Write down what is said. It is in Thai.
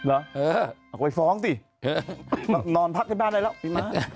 เอาไว้ฟ้องสิ